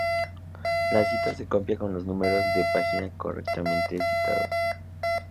Las citas se copian con los números de página correctamente citados.